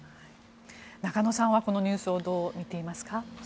中野さんはこのニュースをどう見ていますか。